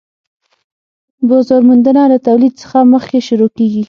بازار موندنه له تولید څخه مخکې شروع کيږي